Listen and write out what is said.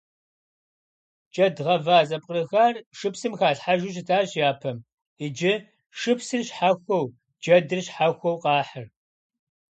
Джэд гъэва зэпкърыхар шыпсым халъхьэжу щытащ япэм, иджы шыпсыр щхьэхуэу джэдыр щхьэхуэу къахьыр.